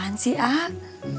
bagaimana sih ah